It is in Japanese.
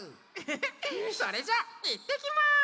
それじゃいってきます！